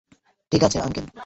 ঠিক আছে, আংকেল।